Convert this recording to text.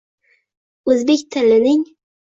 O'zbek tilining